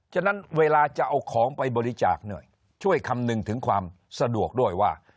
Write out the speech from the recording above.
ฉะนั้นเวลาจะเอาของไปบริจาคเนี่ยช่วยคำนึงถึงความสะดวกด้วยว่า